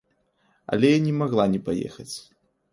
Але я не магла не паехаць.